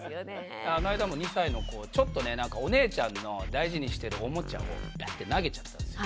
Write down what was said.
この間も２歳の子ちょっとねお姉ちゃんの大事にしてるおもちゃをビャッて投げちゃったんですよ。